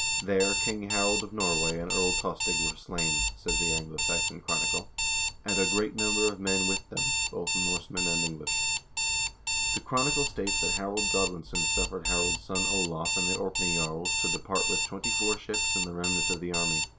" There King Harald of Norway and Earl Tostig were slain," says the " Anglo Saxon Chronicle," 2 " and a great number of men with them, both Norsemen and English." The chronicle states that Harold Godwin son suffered Harald's son Olav and the Orkney jarls to depart with twenty four ships and the remnant of the army.